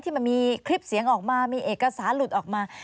มันมีคลิปเสียงออกมามีเอกสารหลุดออกมา